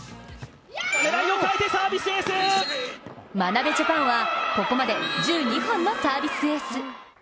眞鍋ジャパンは、ここまで１２本のサービスエース。